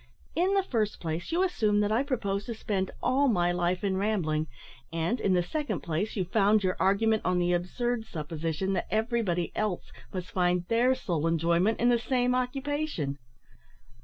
"In the first place, you assume that I propose to spend all my life in rambling; and, in the second place, you found your argument on the absurd supposition that everybody else must find their sole enjoyment in the same occupation."